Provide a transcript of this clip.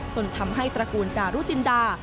จนทำให้ตระกูลจารุจินดา